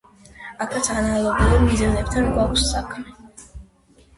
აქაც ანალოგიურ მიზეზებთან გვაქვს საქმე.